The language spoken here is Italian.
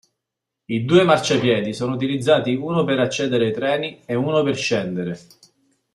I due marciapiedi sono utilizzati uno per accedere ai treni e uno per scendere.